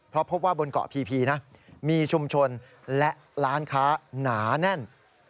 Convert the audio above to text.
เพราะพบว่าบนเกาะพีนะมีชุมชนและร้านค้าหนาแน่น